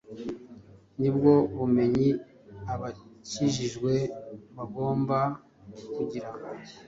ni bwo bumenyi abakijijwe bagomba kugira